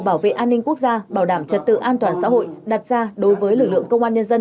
bảo vệ an ninh quốc gia bảo đảm trật tự an toàn xã hội đặt ra đối với lực lượng công an nhân dân